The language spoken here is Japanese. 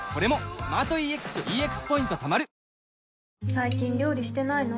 最近料理してないの？